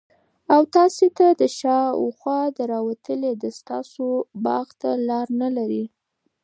او تاسي ته دشاخوا راوتلي ده ستاسو باغ لار نلري